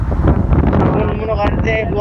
Sir, তাদের সবার হাতে হাতিয়ার আছে।